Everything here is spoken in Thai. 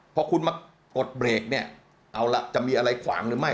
เพราะคุณมากดเบรกเอาละจะมีอะไรขวางหรือไม่